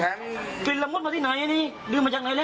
หนังสือตัวสุทธิก็ไม่มีอะไรเลย